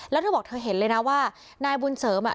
แล้วเธอบอกเธอเห็นเลยนะว่านายบุญเสริมอ่ะ